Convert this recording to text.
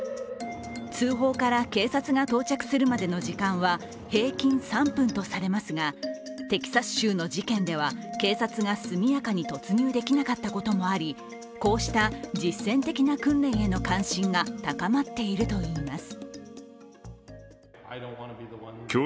通報から警察が到着するまでの時間は平均３分とされますがテキサス州の事件では警察が速やかに突入できなかったこともあり、こうした実践的な訓練への関心が高まっているといいます。